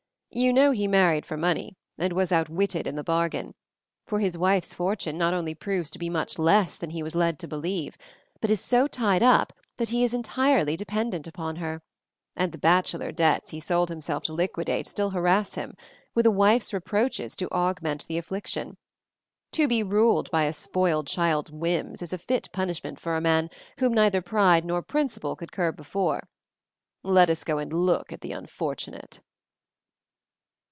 You know he married for money, and was outwitted in the bargain; for his wife's fortune not only proves to be much less than he was led to believe, but is so tied up that he is entirely dependent upon her, and the bachelor debts he sold himself to liquidate still harass him, with a wife's reproaches to augment the affliction. To be ruled by a spoiled child's whims is a fit punishment for a man whom neither pride nor principle could curb before. Let us go and look at the unfortunate."